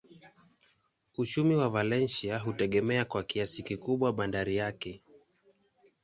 Uchumi wa Valencia hutegemea kwa kiasi kikubwa bandari yake.